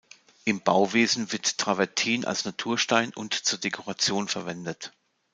Im Bauwesen wird Travertin als Naturstein und zur Dekoration verwendet.